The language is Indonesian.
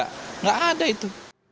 tidak ada itu